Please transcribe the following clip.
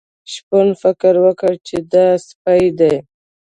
شپون فکر وکړ چې دا سپی دی.